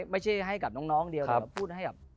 ไม่ใช่ให้กับน้องเดียวแต่ว่าพูดให้แบบ